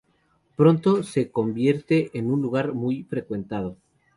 Pronto se convierte en un lugar muy frecuentado.